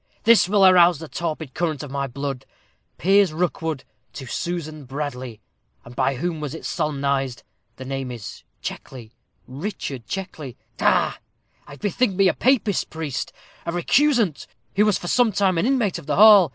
"This will arouse the torpid current of my blood 'Piers Rookwood to Susan Bradley.' And by whom was it solemnized? The name is Checkley Richard Checkley. Ha! I bethink me a Papist priest a recusant who was for some time an inmate of the hall.